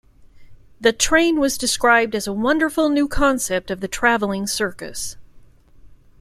The train was described as a wonderful new concept of the travelling circus!